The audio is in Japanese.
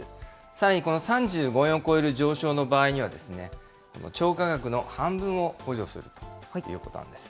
さらにこの３５円を超える上昇の場合にはですね、超過額の半分を補助するということなんです。